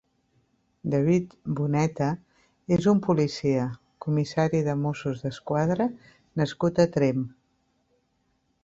David Boneta és un policia, comissari de Mossos d'Esquadra nascut a Tremp.